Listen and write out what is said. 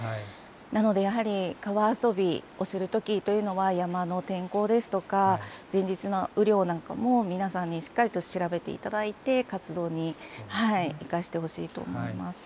なので、やはり川遊びをするときというのは、山の天候ですとか、前日の雨量なんかも皆さんにしっかりと調べていただいて、活動に生かしてほしいと思います。